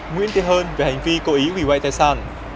nguyễn thế hơn về hành vi cố ý quỷ quay tài sản